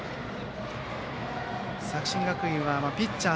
作新学院はピッチャー